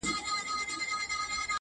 جوړه انګورو څه پیاله ستایمه,